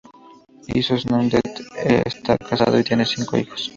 Issoze-Ngondet está casado y tiene cinco cinco hijos.